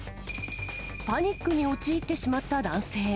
パニックに陥ってしまった男性。